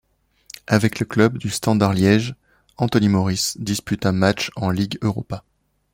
Avec le club du Standard Liège, Anthony Moris dispute un match en Ligue Europa.